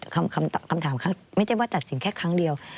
คำถามไม่ได้ว่าตัดสินแค่ครั้งเดียว